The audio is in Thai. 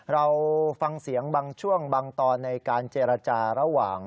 เราฟังเสียงบางช่วงบางตอนในการเจรจาระหว่าง